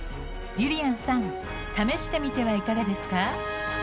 ゆりやんさん試してみてはいかがですか？